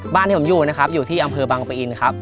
ที่ผมอยู่นะครับอยู่ที่อำเภอบังปะอินครับ